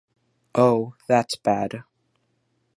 Oh, that’s bad!